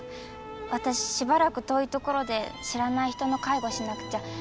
私しばらく遠い所で知らない人の介護しなくちゃ。